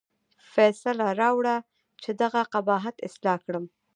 فیصله راوړه چې دغه قباحت اصلاح کړم.